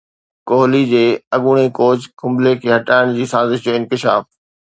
ڪوهلي جي اڳوڻي ڪوچ ڪمبلي کي هٽائڻ جي سازش جو انڪشاف